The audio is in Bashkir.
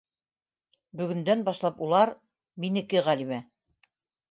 Бөгөндән башлап улар... минеке, Ғәлимә!